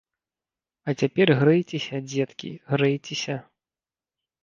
А цяпер грэйцеся, дзеткі, грэйцеся!